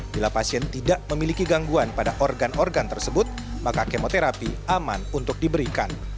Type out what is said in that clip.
bila pasien tidak memiliki gangguan pada organ organ tersebut maka kemoterapi aman untuk diberikan